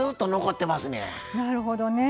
なるほどね。